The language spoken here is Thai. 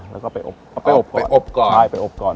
แล้วก็ไปอบไปอบก่อนไปอบก่อนใช่ไปอบก่อน